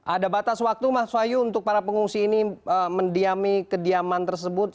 ada batas waktu mas wahyu untuk para pengungsi ini mendiami kediaman tersebut